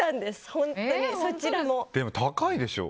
本当にそちらも。